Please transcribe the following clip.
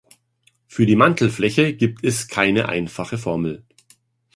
Für die Mantelfläche gibt es keine einfache Formel.